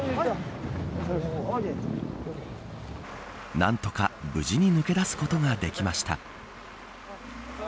何とか無事に抜け出すことができました。